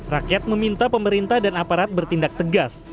rakyat meminta pemerintah dan aparat bertindak tegas